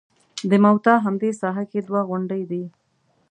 د موته همدې ساحه کې دوه غونډۍ دي.